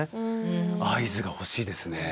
合図が欲しいですね。